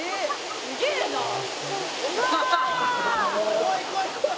「怖い怖い怖い！」